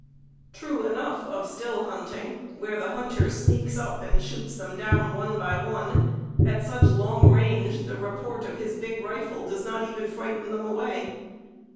True enough of still hunting, where the hunter sneaks up and shoots them down one by one at such long range the report of his big rifle does not even frighten them away.